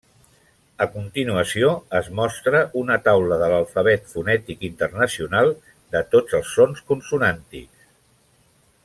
A continuació es mostra una taula de l'Alfabet fonètic internacional de tots els sons consonàntics.